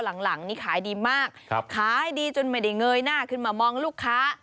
หลังนี่ขายดีมากขายดีจนไม่ได้เงยหน้าขึ้นมามองลูกค้า